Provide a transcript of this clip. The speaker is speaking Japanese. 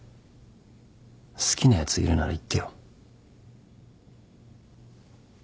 好きなやついるなら言ってよ。